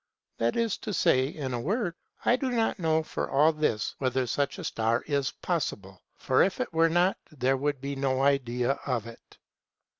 That is to say, in a word, I do not know for all this whether such a star is possible ; for if it were not there would be no idea of it.